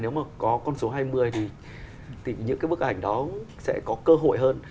nếu mà có con số hai mươi thì những cái bức ảnh đó sẽ có cơ hội hơn